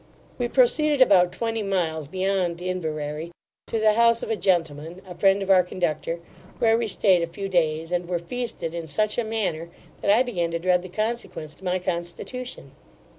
We proceeded about twenty miles beyond Inverary, to the house of a gentleman, a friend of our conductor, where we stayed a few days, and were feasted in such a manner, that I began to dread the consequence to my constitution.